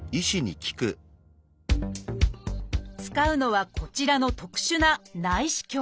使うのはこちらの特殊な内視鏡